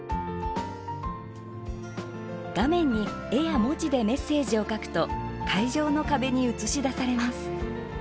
画面に絵や文字でメッセージを書くと会場の壁に映し出されます。